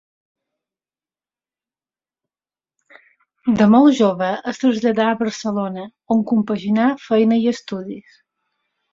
De molt jove es traslladà a Barcelona, on compaginà feina i estudis.